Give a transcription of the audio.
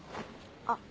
あっ。